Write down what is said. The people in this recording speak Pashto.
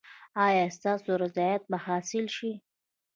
ایا ستاسو رضایت به حاصل شي؟